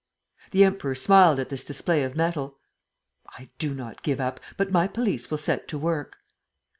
The Emperor smiled at this display of mettle: "I do not give up, but my police will set to work."